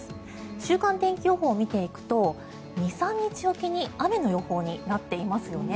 週間天気予報を見ていくと２３日おきに雨の予報になっていますよね。